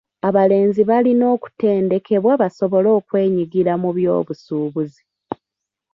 Abalenzi balina okutendekebwa basobole okwenyigira mu by'obusuubuzi.